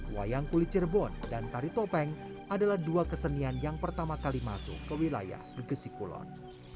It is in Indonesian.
wayang kulit cirebon dan tari topeng adalah dua kesenian yang pertama kali masuk ke wilayah gegesik kulon